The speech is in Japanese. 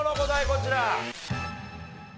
こちら。